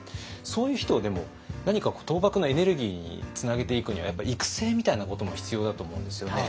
そういう人をでも何か倒幕のエネルギーにつなげていくにはやっぱ育成みたいなことも必要だと思うんですよね。